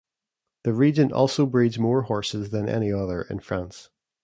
The region also breeds more horses than any other in France.